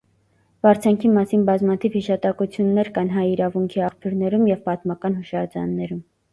Վարձանքի մասին բազմաթիվ հիշատակություններ կան հայ իրավունքի աղբյուրներում և պատմական հուշարձաններում։